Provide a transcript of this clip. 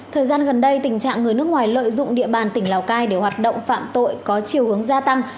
thời gian gần đây tình trạng người nước ngoài lợi dụng địa bàn tỉnh lào cai để hoạt động phạm tội có chiều hướng gia tăng